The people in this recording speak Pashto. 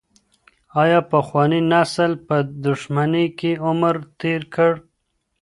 آیا پخواني نسل په دښمنۍ کي عمر تېر کړ؟